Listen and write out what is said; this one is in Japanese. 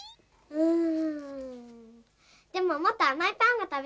うん。